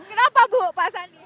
kenapa bu pak sandi